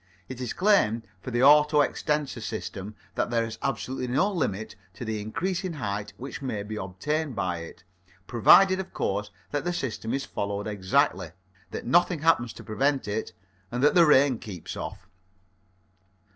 It is claimed for the Auto extensor system that there is absolutely no limit to the increase in height which may be obtained by it, provided of course, that the system is followed exactly, that nothing happens to prevent it, and that the rain keeps off.